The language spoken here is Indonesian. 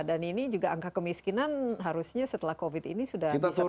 dan ini juga angka kemiskinan harusnya setelah covid ini sudah bisa teratasin